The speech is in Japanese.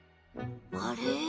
あれ？